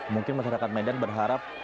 mungkin masyarakat medan berharap